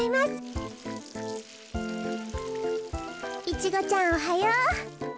イチゴちゃんおはよう。